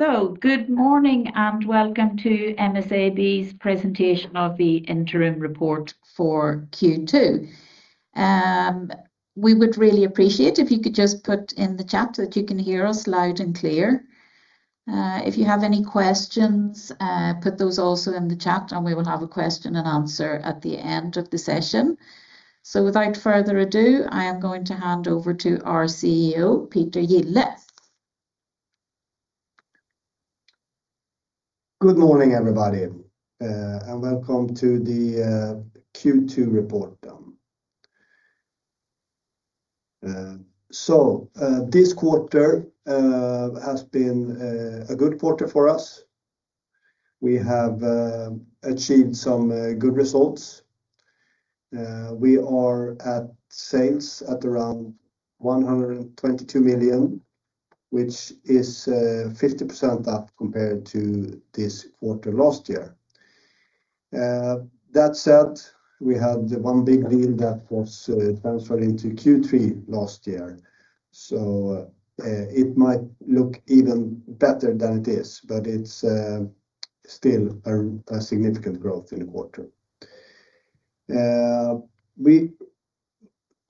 Good morning and welcome to MSAB's presentation of the interim report for Q2. We would really appreciate if you could just put in the chat that you can hear us loud and clear. If you have any questions, put those also in the chat and we will have a question and answer at the end of the session. Without further ado, I am going to hand over to our CEO, Peter Gille. Good morning, everybody, and welcome to the Q2 report. This quarter has been a good quarter for us. We have achieved some good results. We are at sales at around 122 million, which is 50% up compared to this quarter last year. That said, we had one big deal that was transferred into Q3 last year, so it might look even better than it is, but it is still a significant growth in the quarter. We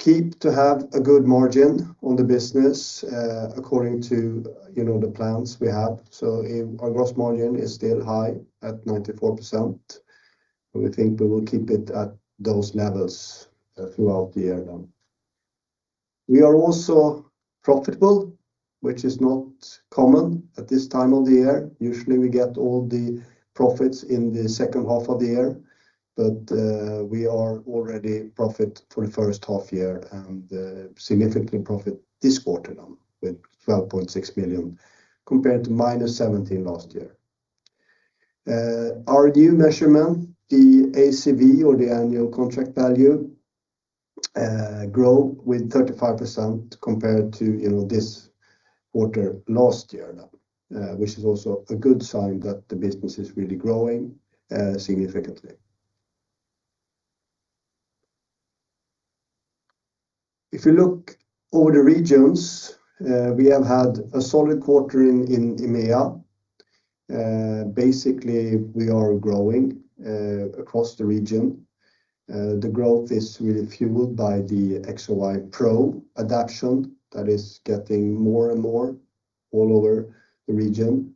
keep to have a good margin on the business according to the plans we have. Our gross margin is still high at 94%, and we think we will keep it at those levels throughout the year now. We are also profitable, which is not common at this time of the year. Usually, we get all the profits in the second half of the year, but we are already profit for the first half year and significantly profit this quarter now with 12.6 million compared to -17 million last year. Our new measurement, the ACV or the annual contract value, grow with 35% compared to this quarter last year now, which is also a good sign that the business is really growing significantly. If you look over the regions, we have had a solid quarter in EMEA. Basically, we are growing across the region. The growth is really fueled by the XRY Pro adoption that is getting more and more all over the region.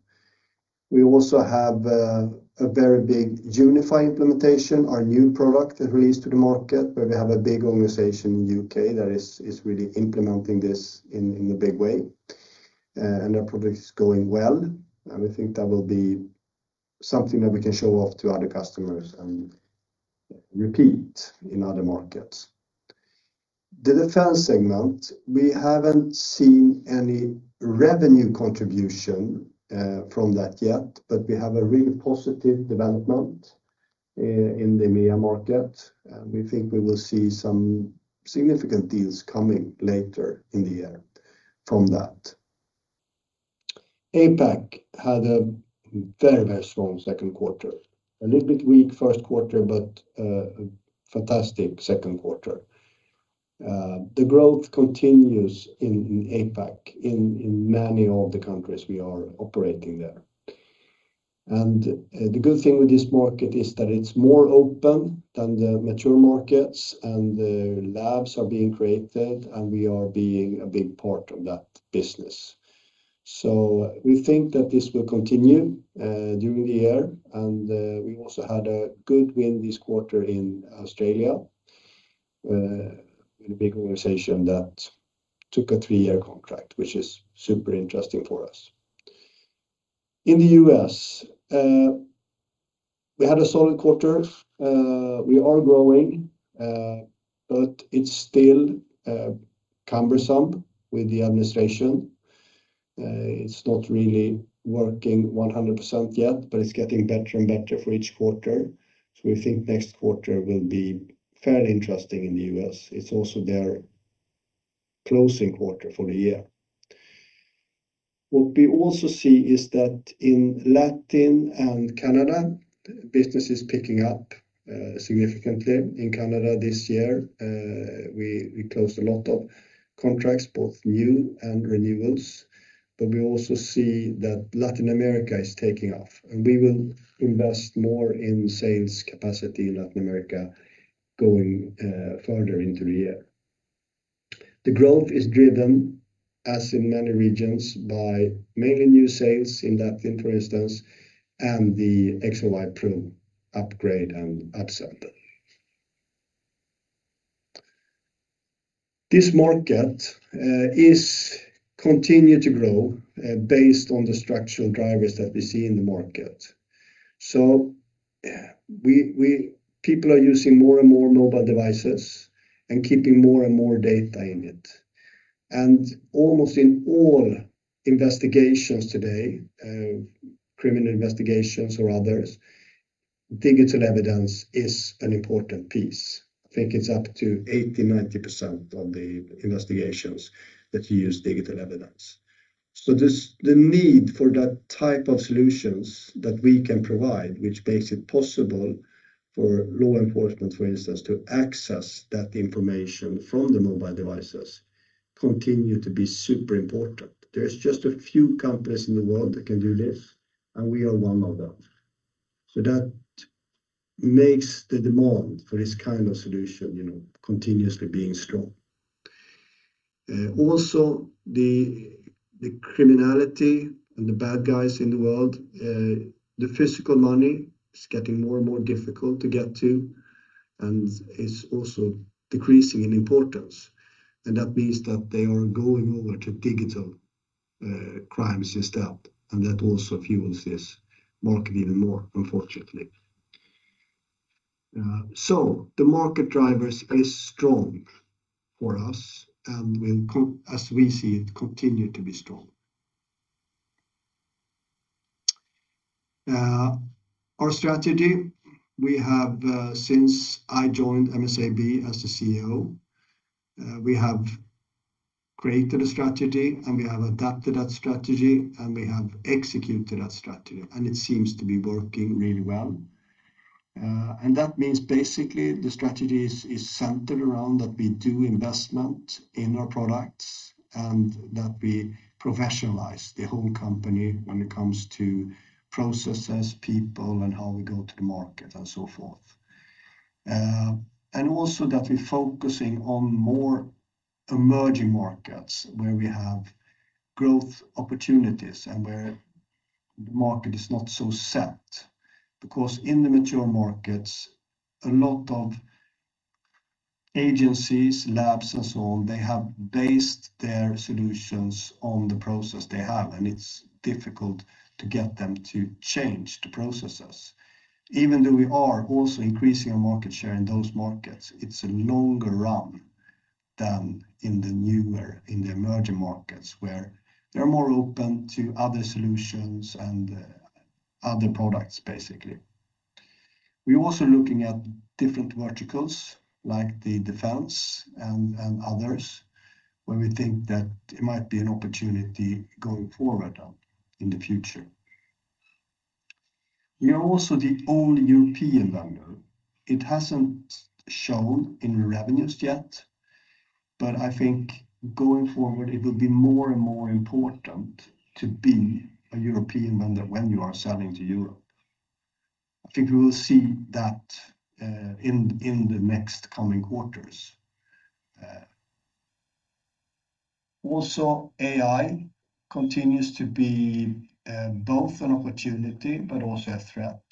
We also have a very big Unify implementation, our new product that released to the market where we have a big organization in U.K. that is really implementing this in a big way. That project is going well, and we think that will be something that we can show off to other customers and repeat in other markets. The defense segment, we haven't seen any revenue contribution from that yet, but we have a really positive development in the EMEA market. We think we will see some significant deals coming later in the year from that. APAC had a very strong second quarter. A little bit weak first quarter, but a fantastic second quarter. The growth continues in APAC in many of the countries we are operating there. The good thing with this market is that it's more open than the mature markets, and the labs are being created, and we are being a big part of that business. We think that this will continue during the year. We also had a good win this quarter in Australia with a big organization that took a three-year contract, which is super interesting for us. In the U.S., we had a solid quarter. We are growing, but it's still cumbersome with the administration. It's not really working 100% yet, but it's getting better and better for each quarter. We think next quarter will be fairly interesting in the U.S. It's also their closing quarter for the year. We also see is that in Latin and Canada, business is picking up significantly. In Canada this year, we closed a lot of contracts, both new and renewals, but we also see that Latin America is taking off, and we will invest more in sales capacity in Latin America going further into the year. The growth is driven, as in many regions, by mainly new sales in Latin, for instance, and the XRY Pro upgrade and upsell. This market is continued to grow based on the structural drivers that we see in the market. People are using more and more mobile devices and keeping more and more data in it. Almost in all investigations today, criminal investigations or others, digital evidence is an important piece. I think it's up to 80%-90% of the investigations that use digital evidence. The need for that type of solutions that we can provide, which makes it possible for law enforcement, for instance, to access that information from the mobile devices, continue to be super important. There's just a few companies in the world that can do this, and we are one of them. That makes the demand for this kind of solution continuously strong. Also, the criminality and the bad guys in the world, the physical money is getting more and more difficult to get to and is also decreasing in importance. That means that they are going over to digital crime systems, and that also fuels this market even more, unfortunately. The market drivers are strong for us and will, as we see it, continue to be strong. Our strategy, since I joined MSAB as the CEO, we have created a strategy, and we have adapted that strategy, and we have executed that strategy, and it seems to be working really well. That means basically the strategy is centered around that we do investment in our products and that we professionalize the whole company when it comes to processes, people, and how we go to the market, and so forth. Also that we're focusing on more emerging markets where we have growth opportunities and where the market is not so set. Because in the mature markets, a lot of agencies, labs, and so on, they have based their solutions on the process they have, and it's difficult to get them to change the processes. Even though we are also increasing our market share in those markets, it's a longer run than in the newer, emerging markets, where they're more open to other solutions and other products, basically. We're also looking at different verticals like the defense and others where we think that it might be an opportunity going forward in the future. We are also the only European vendor. It hasn't shown in revenues yet, but I think going forward it will be more and more important to be a European vendor when you are selling to Europe. I think we will see that in the next coming quarters. AI continues to be both an opportunity but also a threat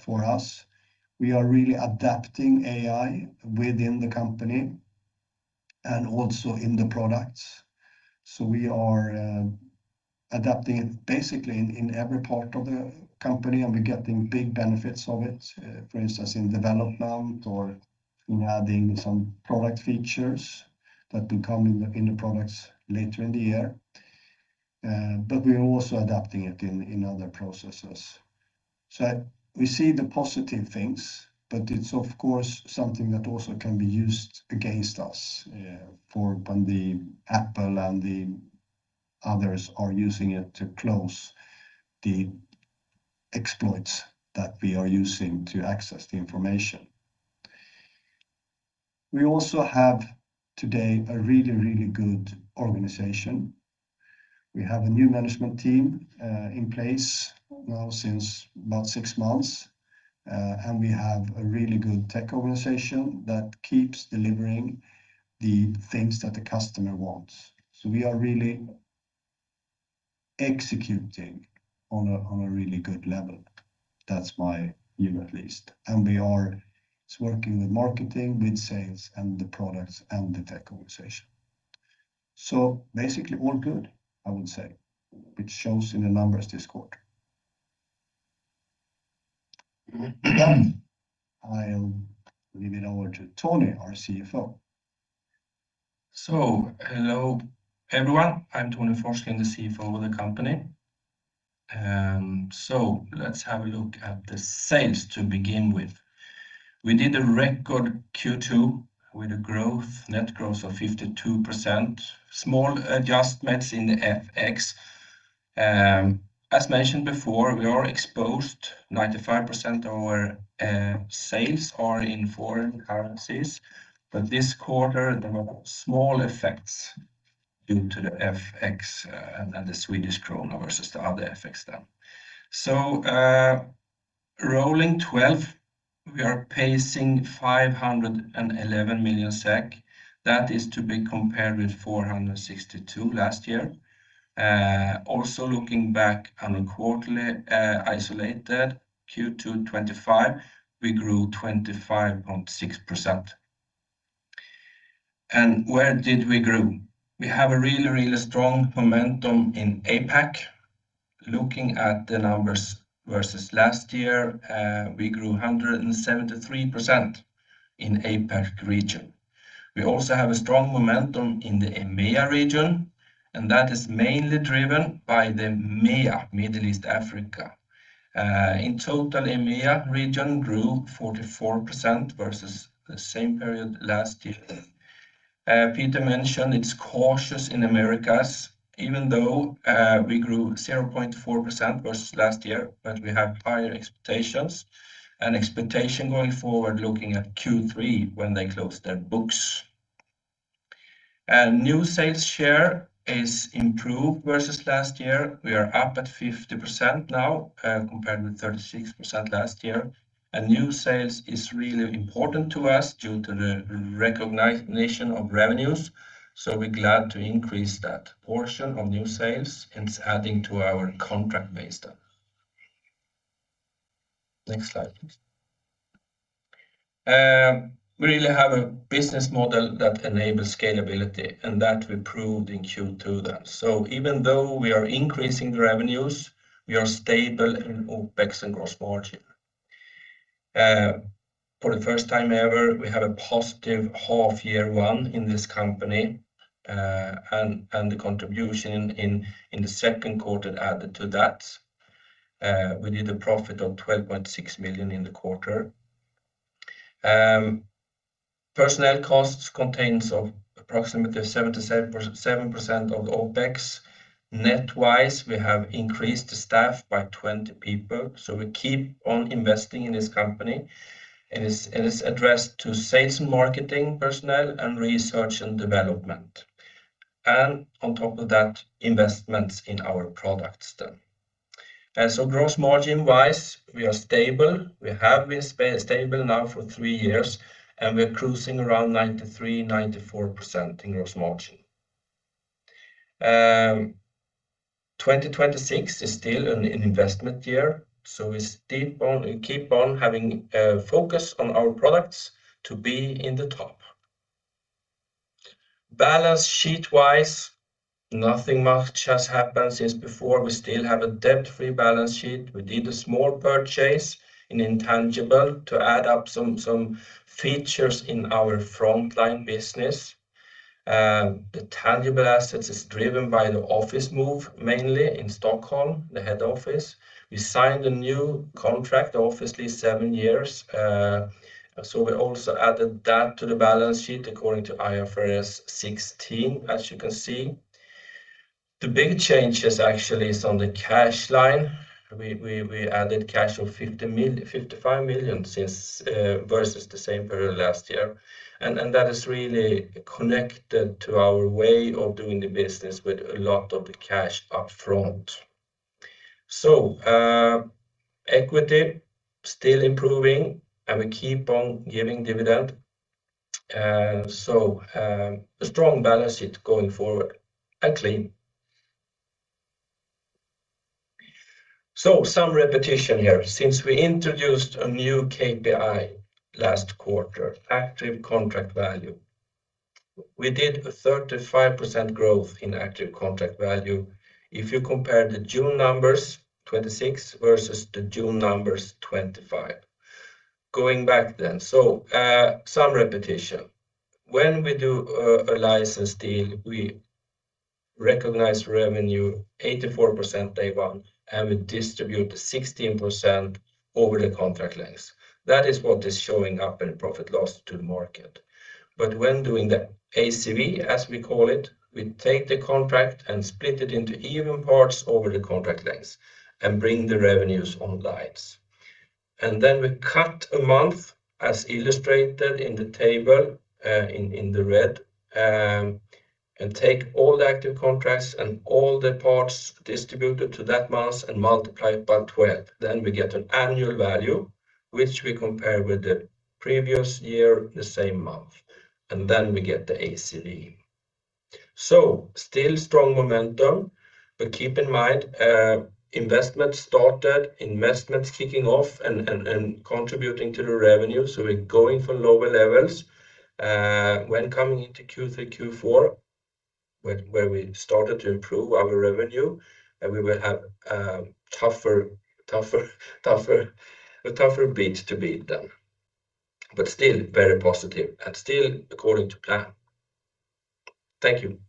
for us. We are really adapting AI within the company and also in the products. We are adapting it basically in every part of the company, and we're getting big benefits of it. For instance, in development or in adding some product features that will come in the products later in the year. We are also adapting it in other processes. We see the positive things, but it's of course something that also can be used against us when Apple and the others are using it to close the exploits that we are using to access the information. We also have today a really good organization. We have a new management team in place now since about six months, and we have a really good tech organization that keeps delivering the things that the customer wants. We are really executing on a really good level. That's my view, at least. We are working with marketing, with sales, and the products and the tech organization. Basically all good, I would say. Which shows in the numbers this quarter. I'll leave it over to Tony, our CFO. Hello, everyone. I'm Tony Forsgren, the CFO of the company. Let's have a look at the sales to begin with. We did a record Q2 with a net growth of 52%. Small adjustments in the FX. As mentioned before, we are exposed, 95% of our sales are in foreign currencies. This quarter, there were small effects due to the FX and the Swedish krona versus the other FX then. Rolling 12, we are pacing 511 million SEK. That is to be compared with 462 million last year. Looking back on a quarterly isolated Q2 2025, we grew 25.6%. And where did we grow? We have a really strong momentum in APAC. Looking at the numbers versus last year, we grew 173% in APAC region. We also have a strong momentum in the EMEA region, and that is mainly driven by the MEA, Middle East Africa. In total, EMEA region grew 44% versus the same period last year. Peter mentioned it's cautious in Americas, even though we grew 0.4% versus last year, we have higher expectations. Expectation going forward, looking at Q3 when they close their books. New sales share is improved versus last year. We are up at 50% now compared with 36% last year. New sales is really important to us due to the recognition of revenues. We're glad to increase that portion of new sales and it's adding to our contract base then. Next slide, please. We really have a business model that enables scalability and that we proved in Q2 that so. Even though we are increasing revenues, we are stable in OpEx and gross margin. For the first time ever, we have a positive half year one in this company, and the contribution in the second quarter added to that. We did a profit of 12.6 million in the quarter. Personnel costs contains of approximately 7% of OpEx. Net wise, we have increased staff by 20 people, we keep on investing in this company, and it's addressed to sales and marketing personnel and research and development. On top of that, investments in our products then. Gross margin wise, we are stable. We have been stable now for three years, and we're cruising around 93%-94% in gross margin, 2026 is still an investment year, so we keep on having a focus on our products to be in the top. Balance sheet wise, nothing much has happened since before. We still have a debt-free balance sheet. We did a small purchase in intangible to add up some features in our Frontline business. The tangible assets is driven by the office move, mainly in Stockholm, the head office. We signed a new contract, obviously seven years. We also added that to the balance sheet according to IFRS 16, as you can see. The big changes actually is on the cash line. We added cash of 55 million versus the same period last year, and that is really connected to our way of doing the business with a lot of the cash up front. Equity still improving, and we keep on giving dividend. A strong balance sheet going forward and clean. Some repetition here. Since we introduced a new KPI last quarter, Active Contract Value. We did a 35% growth in Active Contract Value if you compare the June numbers 2026 versus the June numbers 2025. Going back then, some repetition. When we do a license deal, we recognize revenue 84% day one, and we distribute the 16% over the contract length. That is what is showing up in profit and loss to the market. When doing the ACV, as we call it, we take the contract and split it into even parts over the contract length and bring the revenues on lines. Then we cut a month, as illustrated in the table in the red, and take all the active contracts and all the parts distributed to that month and multiply it by 12. Then we get an annual value, which we compare with the previous year, the same month. Then we get the ACV. Still strong momentum, keep in mind, investment started, investments kicking off and contributing to the revenue. We're going from lower levels. When coming into Q3, Q4, where we started to improve our revenue, we will have a tougher beat to beat then. Still very positive and still according to plan. Thank you.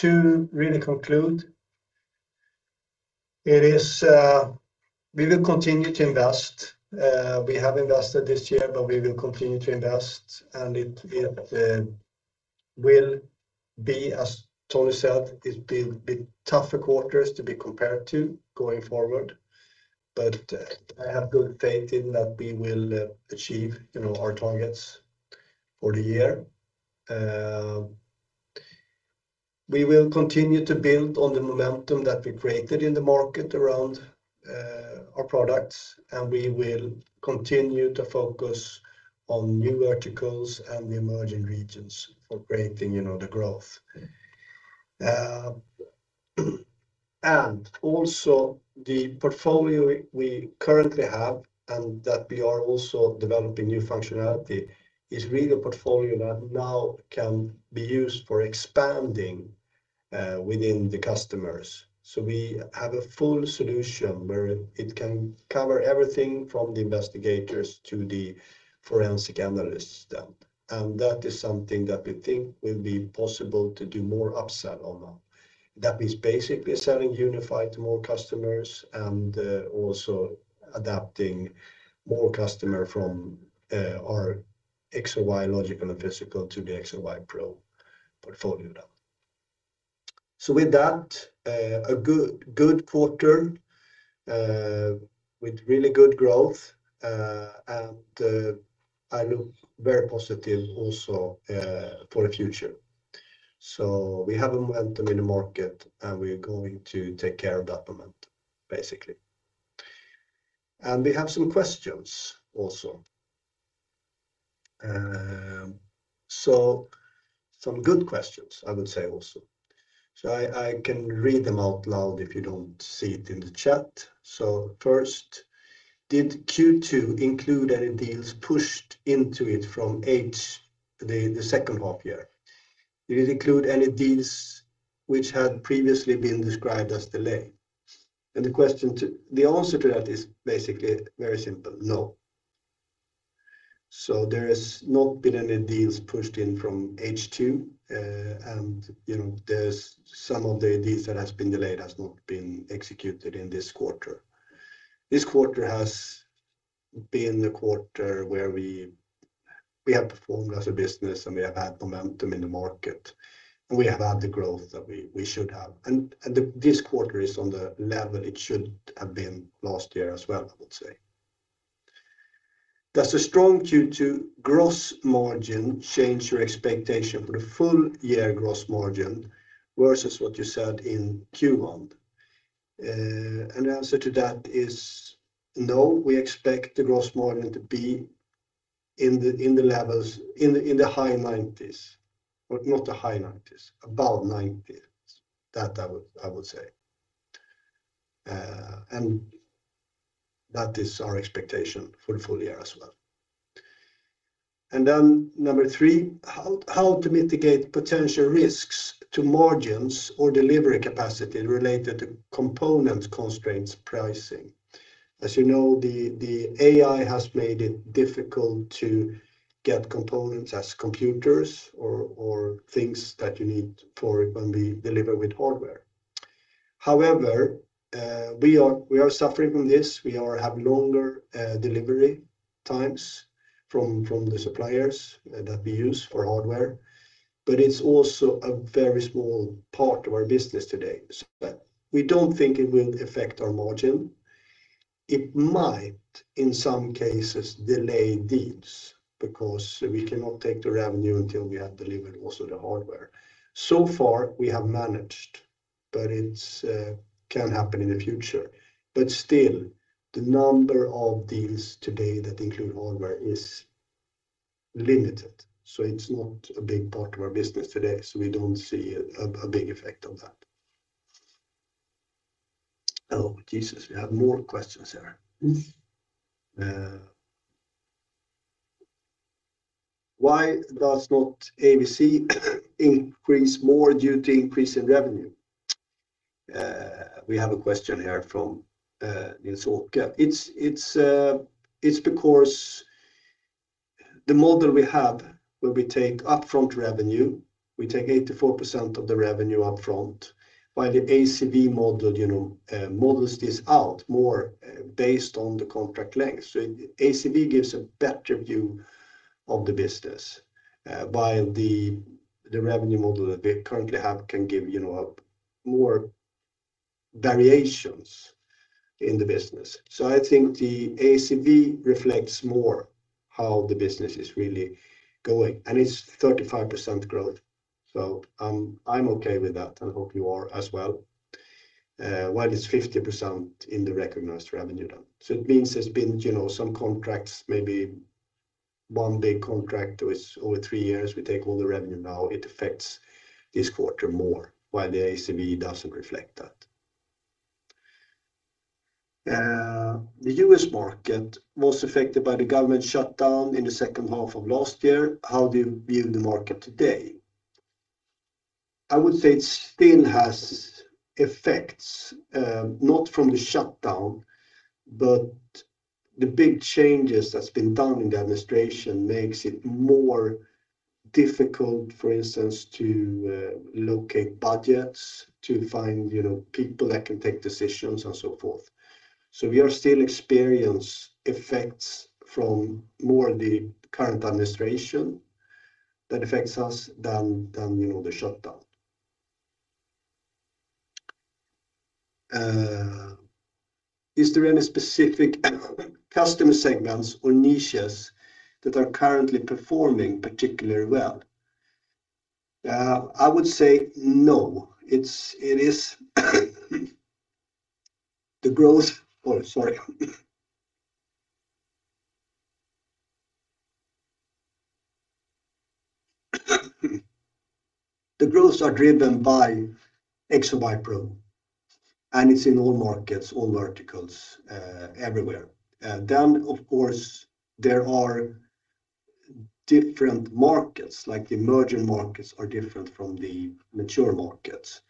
To really conclude, we will continue to invest. We have invested this year, but we will continue to invest, and it will be, as Tony said, tougher quarters to be compared to going forward. I have good faith in that we will achieve our targets for the year. We will continue to build on the momentum that we created in the market around our products. We will continue to focus on new verticals and the emerging regions for creating the growth. The portfolio we currently have and that we are also developing new functionality is really a portfolio that now can be used for expanding within the customers. We have a full solution where it can cover everything from the investigators to the forensic analysts then. That is something that we think will be possible to do more upsell on now. That means basically selling MSAB Unify to more customers and also adapting more customer from our XRY Logical and Physical to the XRY Pro portfolio now. With that, a good quarter with really good growth. I look very positive also for the future. We have momentum in the market, and we're going to take care of that momentum, basically. We have some questions also. Some good questions, I would say also. I can read them out loud if you don't see it in the chat. First, did Q2 include any deals pushed into it from H, the second half year? Did it include any deals which had previously been described as delayed? The answer to that is basically very simple, no. There has not been any deals pushed in from H2. Some of the deals that has been delayed has not been executed in this quarter. This quarter has been the quarter where we have performed as a business. We have had momentum in the market. We have had the growth that we should have. This quarter is on the level it should have been last year as well, I would say. Does a strong Q2 gross margin change your expectation for the full year gross margin versus what you said in Q1? The answer to that is no. We expect the gross margin to be in the high 90s, but not the high 90s, about 90s. That I would say. That is our expectation for the full year as well. Number three, how to mitigate potential risks to margins or delivery capacity related to component constraints pricing. As you know, the AI has made it difficult to get components as computers or things that you need for it when we deliver with hardware. However, we are suffering from this. We have longer delivery times from the suppliers that we use for hardware, but it's also a very small part of our business today. We don't think it will affect our margin. It might, in some cases, delay deals because we cannot take the revenue until we have delivered also the hardware. So far, we have managed, but it can happen in the future. Still, the number of deals today that include hardware is limited. It's not a big part of our business today, so we don't see a big effect on that. Oh, Jesus, we have more questions here. Why does not ACV increase more due to increase in revenue? We have a question here from Nils Åke. It's because the model we have where we take upfront revenue, we take 84% of the revenue upfront, while the ACV model models this out more based on the contract length. ACV gives a better view of the business, while the revenue model that we currently have can give more variations in the business. I think the ACV reflects more how the business is really going, and it's 35% growth. I'm okay with that, and I hope you are as well. Why it is 50% in the recognized revenue then? It means there's been some contracts, maybe one big contract with over three years. We take all the revenue now. It affects this quarter more, while the ACV doesn't reflect that. The U.S. market was affected by the government shutdown in the second half of last year. How do you view the market today? I would say it still has effects, not from the shutdown, but the big changes that's been done in the administration makes it more difficult, for instance, to locate budgets, to find people that can take decisions and so forth. We are still experience effects from more the current administration that affects us than the shutdown. Is there any specific customer segments or niches that are currently performing particularly well? I would say no. Sorry. The growths are driven by XRY Pro, and it's in all markets, all verticals, everywhere. Of course, there are different markets, like the emerging markets are different from the mature markets.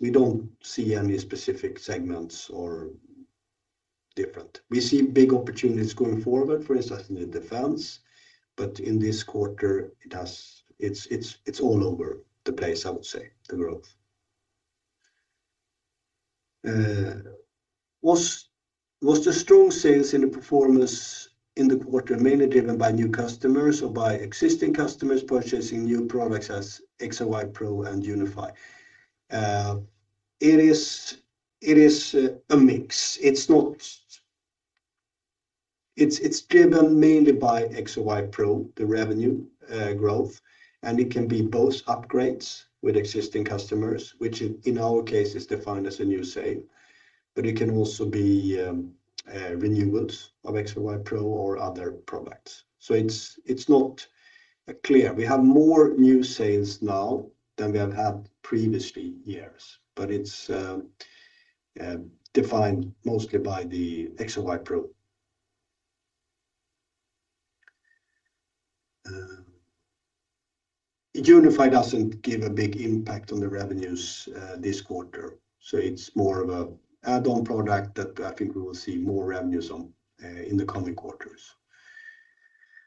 We don't see any specific segments or different. We see big opportunities going forward, for instance, in the defense. In this quarter, it's all over the place, I would say, the growth. Was the strong sales in the performance in the quarter mainly driven by new customers or by existing customers purchasing new products as XRY Pro and Unify? It is a mix. It's driven mainly by XRY Pro, the revenue growth, and it can be both upgrades with existing customers, which in our case is defined as a new sale, but it can also be renewals of XRY Pro or other products. It's not clear. We have more new sales now than we have had previously years, but it's defined mostly by the XRY Pro. Unify doesn't give a big impact on the revenues this quarter, it's more of an add-on product that I think we will see more revenues on in the coming quarters.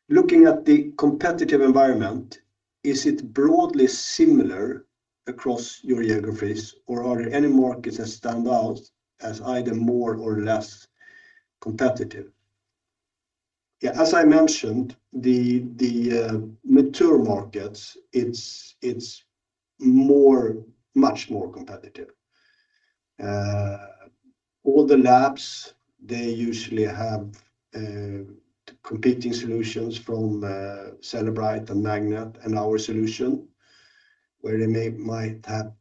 Looking at the competitive environment, is it broadly similar across your geographies, or are there any markets that stand out as either more or less competitive? As I mentioned, the mature markets, it's much more competitive. All the labs, they usually have competing solutions from Cellebrite and Magnet and our solution, where they might have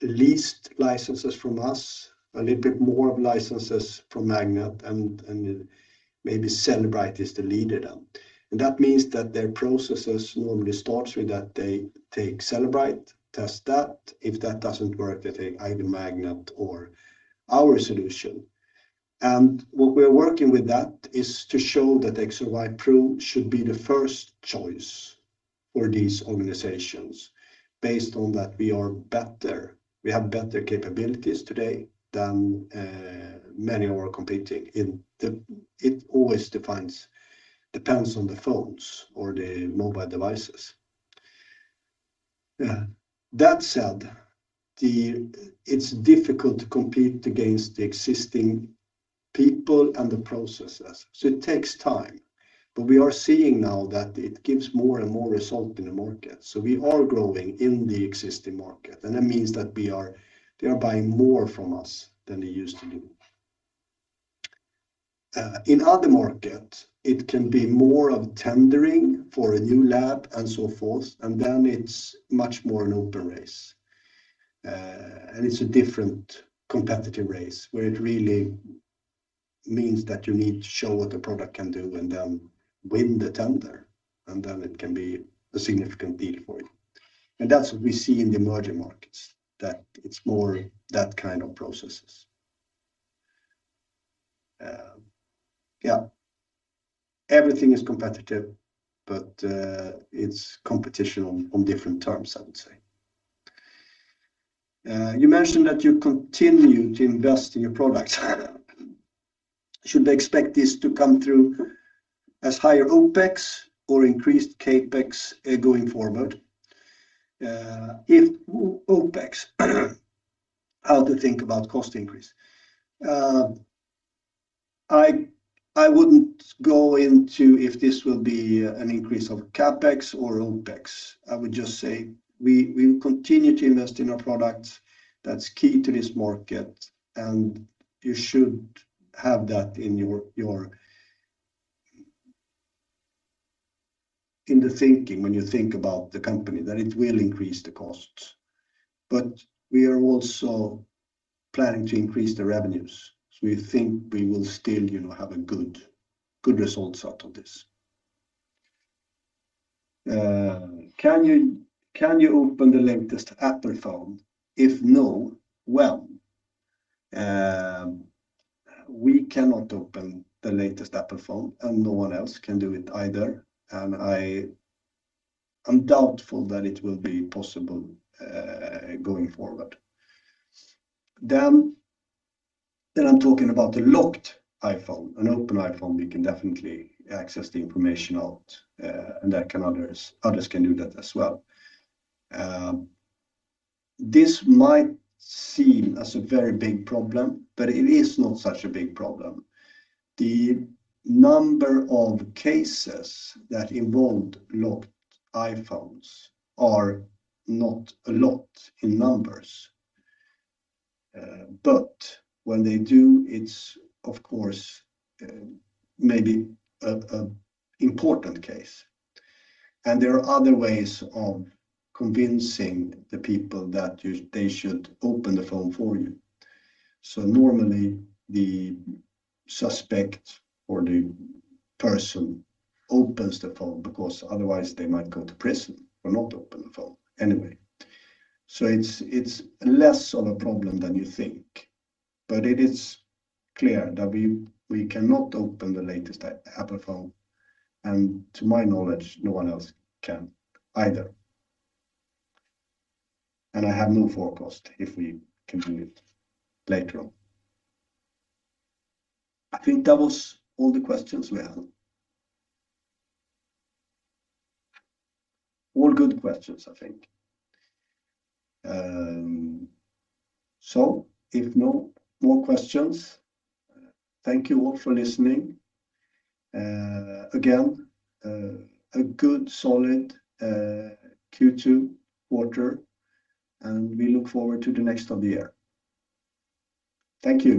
the least licenses from us, a little bit more of licenses from Magnet, and maybe Cellebrite is the leader then. That means that their processes normally starts with that they take Cellebrite, test that. If that doesn't work, they take either Magnet or our solution. What we're working with that is to show that XRY Pro should be the first choice for these organizations based on that we are better. We have better capabilities today than many of our competing. It always depends on the phones or the mobile devices. That said, it's difficult to compete against the existing people and the processes, so it takes time. We are seeing now that it gives more and more result in the market. We are growing in the existing market, and that means that they are buying more from us than they used to do. In other markets, it can be more of tendering for a new lab and so forth, and then it's much more an open race. It's a different competitive race, where it really means that you need to show what the product can do and then win the tender, and then it can be a significant deal for you. That's what we see in the emerging markets, that it's more that kind of processes. Yeah. Everything is competitive, but it's competition on different terms, I would say. You mentioned that you continue to invest in your product. Should I expect this to come through as higher OpEx or increased CapEx going forward? OpEx. How to think about cost increase. I wouldn't go into if this will be an increase of CapEx or OpEx. I would just say we will continue to invest in our product. That's key to this market, and you should have that in the thinking when you think about the company, that it will increase the costs. We are also planning to increase the revenues. We think we will still have a good results out of this. Can you open the latest Apple phone? If no, when? We cannot open the latest Apple phone, and no one else can do it either. I'm doubtful that it will be possible going forward. Then I'm talking about the locked iPhone. An open iPhone, we can definitely access the information out, and others can do that as well. This might seem as a very big problem, but it is not such a big problem. The number of cases that involved locked iPhones are not a lot in numbers. When they do, it's of course maybe an important case. There are other ways of convincing the people that they should open the phone for you. Normally, the suspect or the person opens the phone because otherwise they might go to prison for not open the phone anyway. It's less of a problem than you think, but it is clear that we cannot open the latest Apple phone, and to my knowledge, no one else can either. I have no forecast if we can do it later on. I think that was all the questions we have. All good questions, I think. If no more questions, thank you all for listening. Again, a good, solid Q2 quarter, and we look forward to the next of the year. Thank you.